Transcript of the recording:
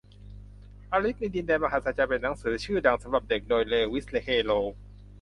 อลิซในดินแดนมหัศจรรย์เป็นหนังสือชื่อดังสำหรับเด็ก โดยเลวิส แคโรล